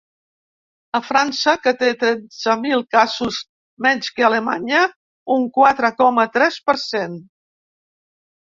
A França, que té tretze mil casos menys que Alemanya, un quatre coma tres per cent.